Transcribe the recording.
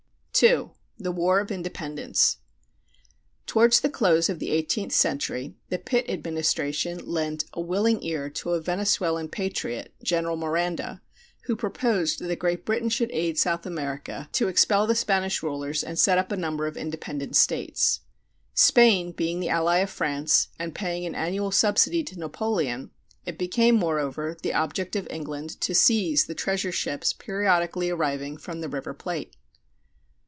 II. THE WAR OF INDEPENDENCE. Towards the close of the 18th century the Pitt administration lent a willing ear to a Venezuelan patriot, General Miranda, who proposed that Great Britain should aid South America to expel the Spanish rulers and set up a number of independent states. Spain being the ally of France and paying an annual subsidy to Napoleon, it became moreover the object of England to seize the treasure ships periodically arriving from the River Plate.